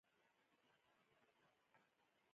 مخکې به کتابونه ارزان وو